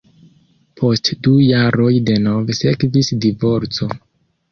Post du jaroj denove sekvis divorco.